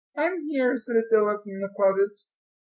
"I'm here," said Adela, from the closet.